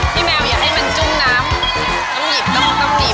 พี่แมวอย่าให้มันจุ้มน้ำต้องหยิบต้องหยิบ